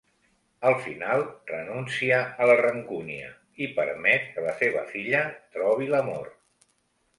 Al final renuncia a la rancúnia i permet que la seva filla trobi l'amor.